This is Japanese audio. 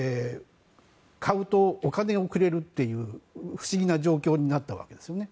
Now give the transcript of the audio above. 買うとお金をくれるという不思議な状況になったわけですよね。